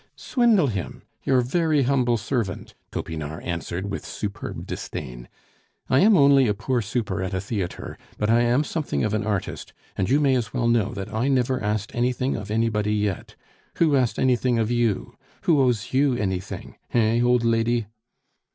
"Swindle him!... Your very humble servant!" Topinard answered with superb disdain. "I am only a poor super at a theatre, but I am something of an artist, and you may as well know that I never asked anything of anybody yet! Who asked anything of you? Who owes you anything? eh, old lady!"